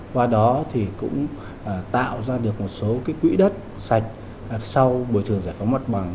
qua đó thì cũng tạo ra được một số quỹ đất sạch sau bồi thường giải phóng mặt bằng